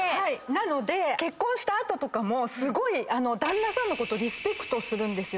なので結婚した後とかもすごい旦那さんのことをリスペクトするんですよ